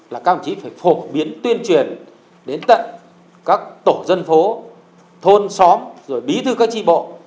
là các ông chí phải phổ biến tuyên truyền đến tận các tổ dân phố thôn xóm rồi bí thư các tri bộ